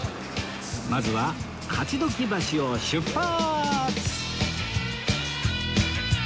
まずは勝鬨橋を出発！